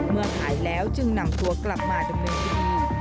เมื่อหายแล้วจึงนำตัวกลับมาดำเนินคดี